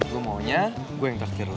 gue maunya gue yang traktir lo